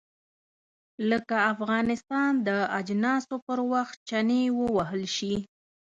لکه افغانستان د اجناسو پر وخت چنې ووهل شي.